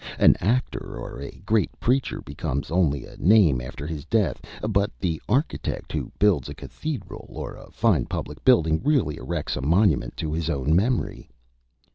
An actor or a great preacher becomes only a name after his death, but the architect who builds a cathedral or a fine public building really erects a monument to his own memory."